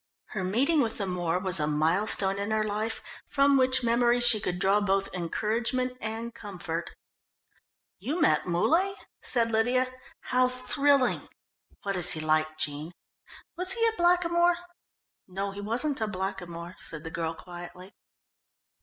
Her meeting with the Moor was a milestone in her life from which memory she could draw both encouragement and comfort. "You met Muley?" said Lydia. "How thrilling! What is he like, Jean? Was he a blackamoor?" "No, he wasn't a blackamoor," said the girl quietly.